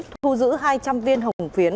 thu giữ hai trăm linh viên hồng phiến